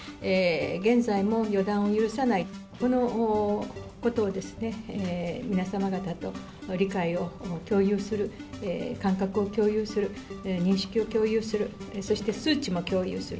現在も予断を許さない、このことをですね、皆様方と、理解を共有する、感覚を共有する、認識を共有する、そして数値も共有する。